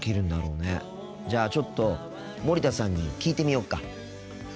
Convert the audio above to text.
じゃあちょっと森田さんに聞いてみよっか。